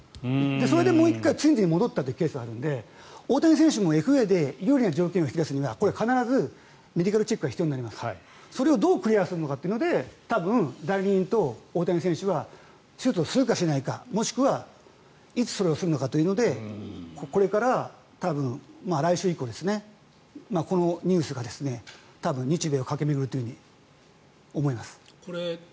それでもう１回ツインズに戻ったケースがあるので大谷選手もＦＡで有利な条件を引き出すには必ずメディカルチェックが必要になってそれをどうクリアするのかで代理人と大谷選手は手術するのか、しないのかもしくはいつそれをするのかというのでこれから多分、来週以降このニュースが、多分日米を駆け巡るように思います。